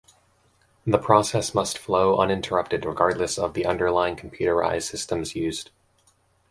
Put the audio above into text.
The process must flow uninterrupted regardless of the underlying computerized systems used.